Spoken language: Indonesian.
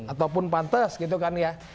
ataupun pantas gitu kan ya